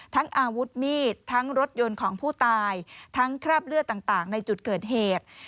อาวุธมีดทั้งรถยนต์ของผู้ตายทั้งคราบเลือดต่างในจุดเกิดเหตุ